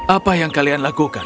apa yang kalian lakukan